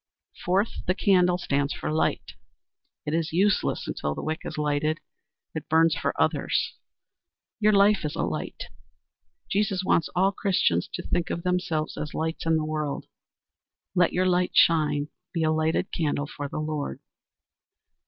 Fourth, the candle stands for Light. It is useless until the wick is lighted. It burns for others. Your life is a light. Jesus wants all Christians to think of themselves as lights in the world. "Let your light shine." Be a lighted candle for the Lord.